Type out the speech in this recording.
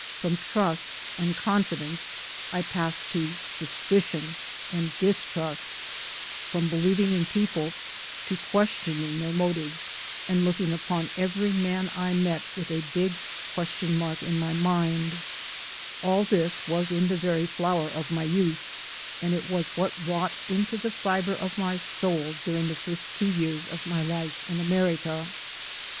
From trust and confidence I passed to suspicion and distrust ; from believing in people to questioning their motives and looking upon every man I met with a big question mark in my mind. All this was in the very flower of my youth, and it has taken years of conscious struggle to overcome what was wrought into the fiber of my soul during the first two years of my life in America.